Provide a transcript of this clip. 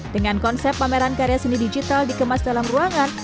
dengan konsep pameran karya seni digital dikemas dalam ruangan